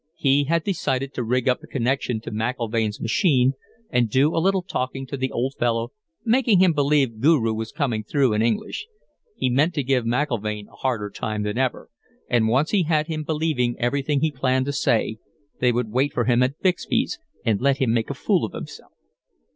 He had decided to rig up a connection to McIlvaine's machine and do a little talking to the old fellow, making him believe Guru was coming through in English. He meant to give McIlvaine a harder time than ever, and once he had him believing everything he planned to say, they would wait for him at Bixby's and let him make a fool of himself.